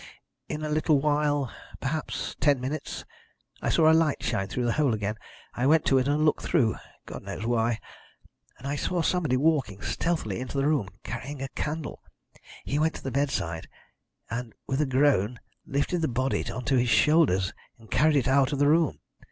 In a little while perhaps ten minutes I saw a light shine through the hole again. I went to it and looked through God knows why and I saw somebody walking stealthily into the room, carrying a candle. He went to the bedside and, with a groan, lifted the body on to his shoulders, and carried it out of the room.